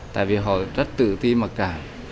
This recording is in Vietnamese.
tại vì họ rất tự tin mặc cả